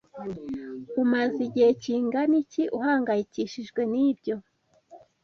Umaze igihe kingana iki uhangayikishijwe nibyo?